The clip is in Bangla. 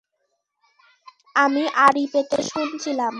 আমি আড়ি পেতে শুনছিলাম।